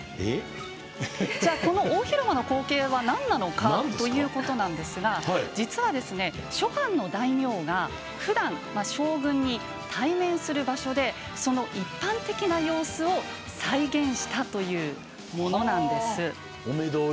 じゃあ、この大広間の光景はなんなのかということなんですが実は、諸藩の大名がふだん将軍に対面する場所でその一般的な様子を再現したというものなんです。